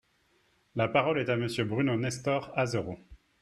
La parole est à Monsieur Bruno Nestor Azerot.